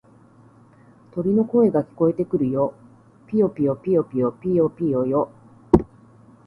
鳥の声が聞こえてくるよ。ぴよぴよ、ぴよぴよ、ぴよぴよよ。